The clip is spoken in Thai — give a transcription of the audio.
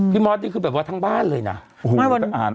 พี่มอสที่คือทั้งบ้านเลยน่ะ